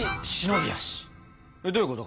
どういうこと？